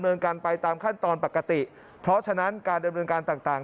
ดันเมินการไปตามขั้นตอนปกติเพราะฉะนั้นการดันเมินการต่าง